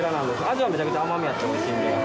味はめちゃめちゃ甘みがあっておいしいんで。